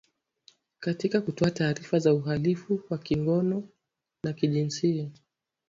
katika kutoa taarifa za uhalifu wa kingono na kijinsia